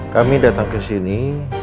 kami datang kesini